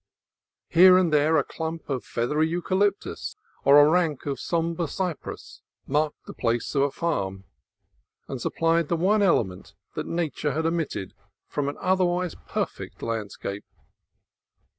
Here and there a clump of feathery eucalyptus or a rank of sombre cypresses marked the place of a farm, and supplied the one element that Nature had omitted from an otherwise perfect landscape.